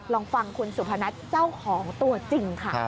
ลองฟังคุณสุพนัทเจ้าของตัวจริงค่ะ